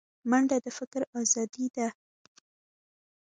منډه د فکر ازادي ده